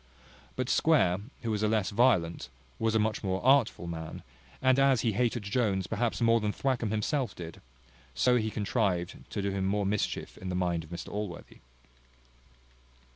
But Square, who was a less violent, was a much more artful man; and as he hated Jones more perhaps than Thwackum himself did, so he contrived to do him more mischief in the mind of Mr Allworthy.